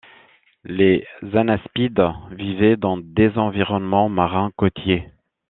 Les anaspides vivaient dans des environnements marins côtiers.